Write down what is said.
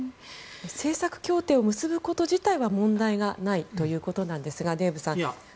政策協定を結ぶこと自体は問題がないということなんですがデーブさん。